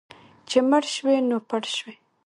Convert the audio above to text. چې مړ شوې، نو پړ شوې.